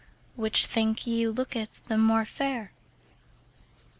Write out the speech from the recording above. Which think ye lookt the more fair?